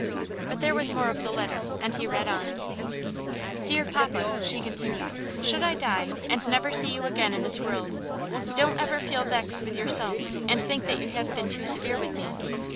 But there was more of the letter, and he read on: "Dear papa," she continued, "should I die, and never see you again in this world, don't ever feel vexed with yourself, and think that you have been too severe with me.